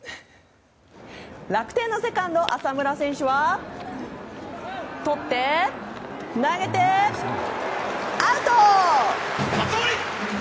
楽天のセカンド、浅村選手はとって、投げて、アウト！